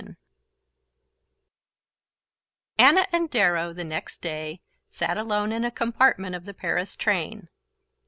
XXXVII Anna and Darrow, the next day, sat alone in a compartment of the Paris train.